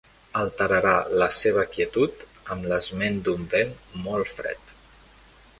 Alterarà la seva quietud amb l'esment d'un vent molt fred.